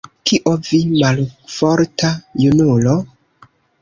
Kio, vi, malforta junulo?